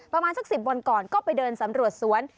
ประมาณสัก๑๐วันก่อนก็ไปเดินสำรวจสวน